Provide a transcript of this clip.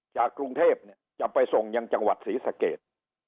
จากกรุงเทพจะไปส่งยังจังหวัดศรีสเกต